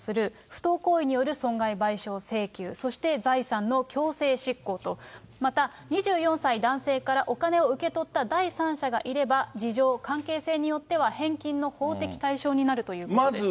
不当行為による損害賠償請求、そして財産の強制執行と、また、２４歳男性からお金を受け取った第三者がいれば、事情、関係性によっては返金の法的対象になるということです。